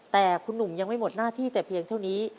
แต่คุณหนุ่มยังไม่หมดหน้าที่แต่เพียงเท่านี้